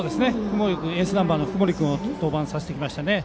エースナンバーの福盛君を登板させました。